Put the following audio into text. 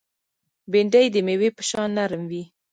بېنډۍ د مېوې په شان نرم وي